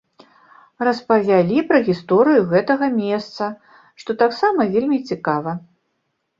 Распавялі пра гісторыю гэтага месца, што таксама вельмі цікава.